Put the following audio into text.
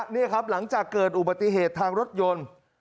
นี่ครับหลังจากเกิดอุบัติเหตุทางรถยนต์